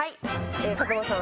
風間さん